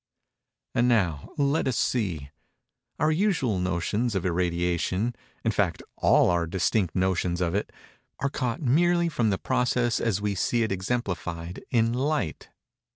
And now, let us see:—Our usual notions of irradiation—in fact all our distinct notions of it—are caught merely from the process as we see it exemplified in Light.